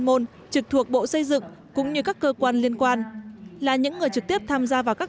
môn trực thuộc bộ xây dựng cũng như các cơ quan liên quan là những người trực tiếp tham gia vào các